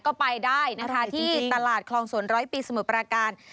ก็ไปได้นะคะที่ตลาดคลองศูนย์๑๐๐ปีสมบัติการ